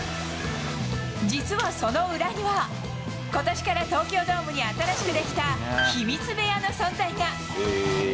実は、その裏には、ことしから東京ドームに新しく出来た、秘密部屋の存在が。